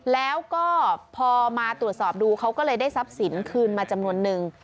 แล้วก็พอมาตรวจสอบดูเขาก็เลยได้ทรัพย์สินคืนมาจำนวนนึง